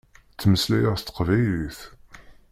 Ttmeslayeɣ s teqbaylit.